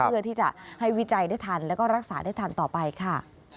เพื่อที่จะให้วิจัยได้ทันแล้วก็รักษาได้ทันต่อไปค่ะ